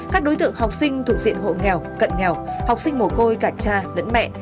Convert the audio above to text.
các đối tượng học sinh thuộc diện hộ nghèo cận nghèo học sinh mồ côi cả cha lẫn mẹ